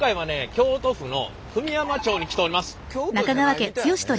京都府の久御山町に来ております。